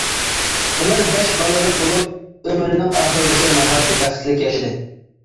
ئۇلار بەش بالىلىق بولۇپ، ئۆمرىنىڭ ئاخىرغىچە ناھايىتى بەختلىك ياشىدى.